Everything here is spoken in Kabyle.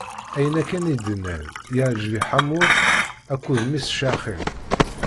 Ayen akken i d-nnan, iɛǧeb i Ḥamur akked mmi-s Caxim.